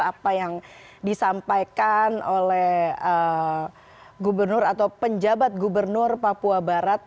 apa yang disampaikan oleh gubernur atau penjabat gubernur papua barat